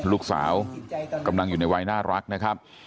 ลูกสาวกำลังอยู่ในวัยน่ารักนะครับ